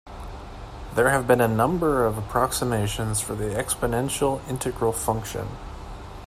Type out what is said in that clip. There have been a number of approximations for the exponential integral function.